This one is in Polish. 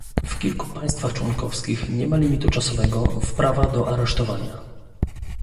W kilku państwach członkowskich nie ma limitu czasowego w prawa do aresztowania